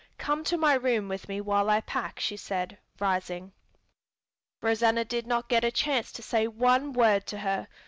"Come to my room with me while I pack," she said, rising. Rosanna did not get a chance to say one word to her.